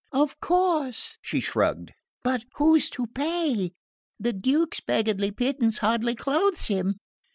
"Of course," she shrugged "But who's to pay? The Duke's beggarly pittance hardly clothes him."